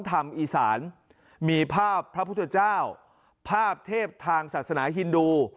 ธรรมอีสานมีภาพพระพุทธเจ้าภาพเทพทางศาสนาฮินดู